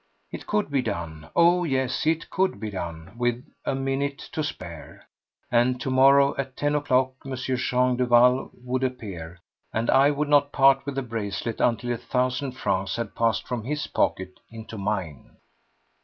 It could be done—oh, yes, it could be done—with a minute to spare! And to morrow at ten o'clock M. Jean Duval would appear, and I would not part with the bracelet until a thousand francs had passed from his pocket into mine.